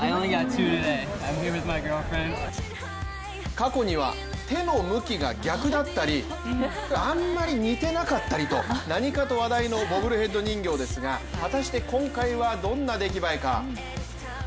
過去には手の向きが逆だったりあんまり似ていなかったりと何かと話題のボブルヘッド人形ですが果たして今回はどんな出来栄えか。